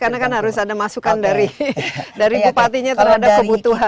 karena kan harus ada masukan dari bupatinya terhadap kebutuhan